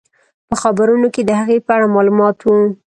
په خبرونو کې د هغې په اړه معلومات وو.